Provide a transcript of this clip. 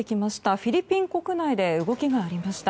フィリピン国内で動きがありました。